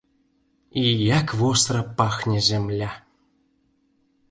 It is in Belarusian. І як востра пахне зямля!